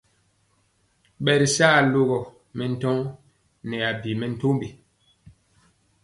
Ɓɛ ri sa alogɔ mɛntɔɔ nɛ abi mɛntombi.